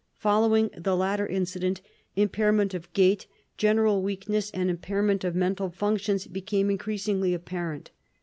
Following the latter incident, impairment of gait, general weakness, and impairment of mental functions became increasingly apparent.